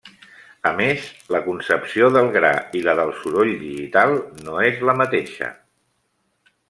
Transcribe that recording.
A més, la concepció del gra i la del soroll digital no és la mateixa.